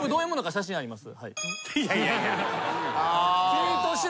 写真あります。